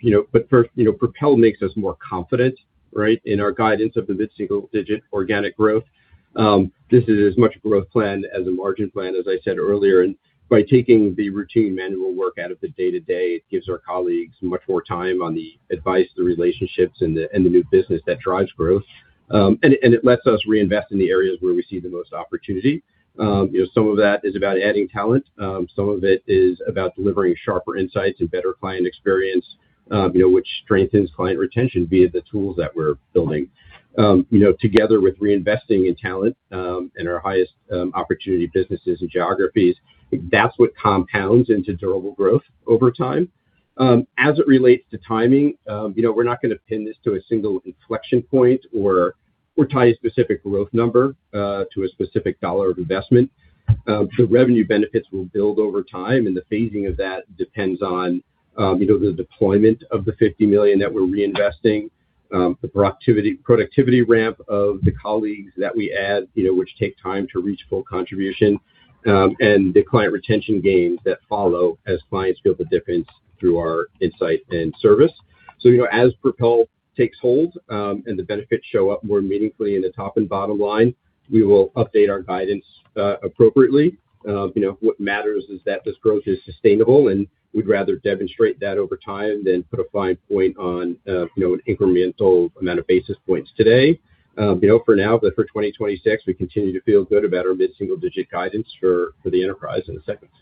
First, Propel makes us more confident in our guidance of the mid-single digit organic growth. This is as much a growth plan as a margin plan, as I said earlier. By taking the routine manual work out of the day-to-day, it gives our colleagues much more time on the advice, the relationships, and the new business that drives growth. It lets us reinvest in the areas where we see the most opportunity. Some of that is about adding talent. Some of it is about delivering sharper insights and better client experience, which strengthens client retention via the tools that we're building. Together with reinvesting in talent, in our highest opportunity businesses and geographies that's what compounds into durable growth over time. As it relates to timing, we're not going to pin this to a single inflection point or tie a specific growth number to a specific dollar of investment. The revenue benefits will build over time, and the phasing of that depends on the deployment of the $50 million that we're reinvesting, the productivity ramp of the colleagues that we add, which take time to reach full contribution, and the client retention gains that follow as clients feel the difference through our insight and service. As Propel takes hold, and the benefits show up more meaningfully in the top and bottom line, we will update our guidance appropriately. What matters is that this growth is sustainable, and we'd rather demonstrate that over time than put a fine point on an incremental amount of basis points today for now. For 2026, we continue to feel good about our mid-single-digit guidance for the enterprise in the segments.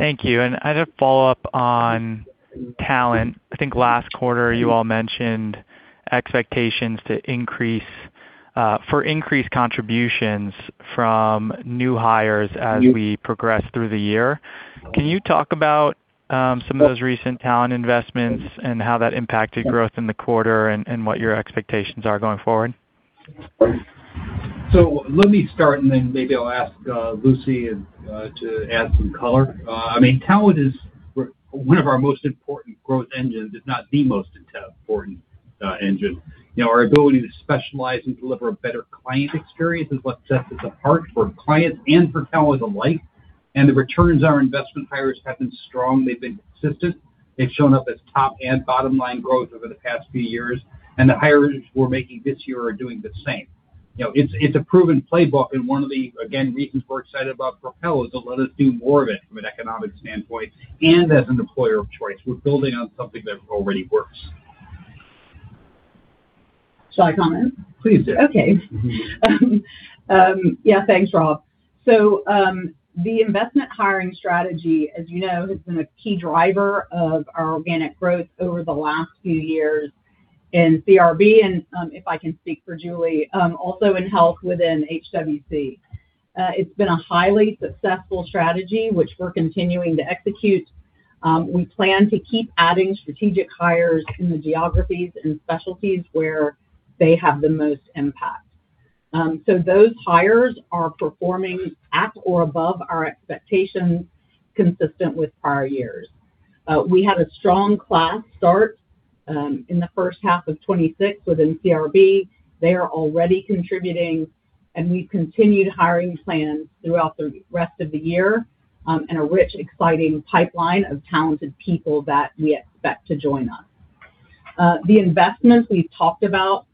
Thank you. As a follow-up on talent, I think last quarter you all mentioned expectations for increased contributions from new hires as we progress through the year. Can you talk about some of those recent talent investments and how that impacted growth in the quarter and what your expectations are going forward? Let me start. Maybe I'll ask Lucy to add some color. Talent is one of our most important growth engines, if not the most important engine. Our ability to specialize and deliver a better client experience is what sets us apart for clients and for talent alike. The returns on our investment hires have been strong. They've been consistent. They've shown up as top and bottom-line growth over the past few years, and the hires we're making this year are doing the same. It's a proven playbook, and one of the, again, reasons we're excited about Propel is it'll let us do more of it from an economic standpoint and as an employer of choice. We're building on something that already works. Shall I comment? Please do. Thanks, Rob. The investment hiring strategy, as you know, has been a key driver of our organic growth over the last few years in CRB and, if I can speak for Julie, also in health within HWC. It's been a highly successful strategy, which we're continuing to execute. We plan to keep adding strategic hires in the geographies and specialties where they have the most impact. Those hires are performing at or above our expectations consistent with prior years. We had a strong class start in the H1 of 2026 within CRB. They are already contributing, and we've continued hiring plans throughout the rest of the year and a rich, exciting pipeline of talented people that we expect to join us. The investments we've talked about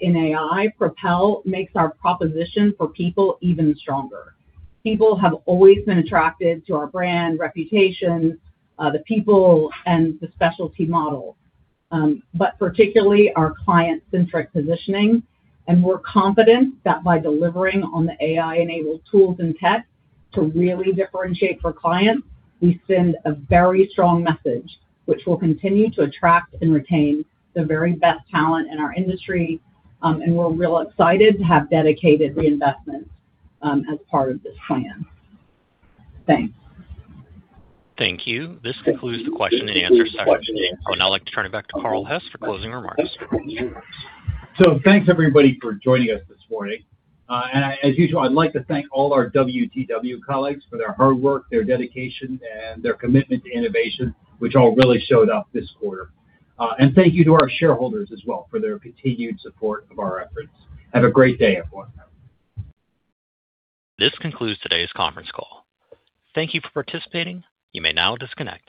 in AI, Propel, makes our proposition for people even stronger. People have always been attracted to our brand reputation, the people, and the specialty model, but particularly our client-centric positioning. We're confident that by delivering on the AI-enabled tools and tech to really differentiate for clients. We send a very strong message, which will continue to attract and retain the very best talent in our industry. We're real excited to have dedicated reinvestments as part of this plan. Thanks. Thank you. This concludes the question and answer session. I would now like to turn it back to Carl Hess for closing remarks. Thanks everybody for joining us this morning. As usual, I'd like to thank all our WTW colleagues for their hard work, their dedication, and their commitment to innovation, which all really showed up this quarter. Thank you to our shareholders as well for their continued support of our efforts. Have a great day, everyone. This concludes today's conference call. Thank you for participating. You may now disconnect.